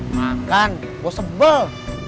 makan gue sebel